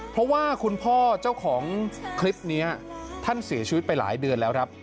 เพราะว่าคุณพ่อเจ้าของคลิปนี้ท่านเสียชีวิตไปหลายเดือนแล้วครับ